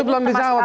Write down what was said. itu belum dijawab